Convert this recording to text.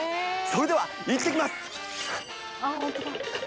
それではいってきます。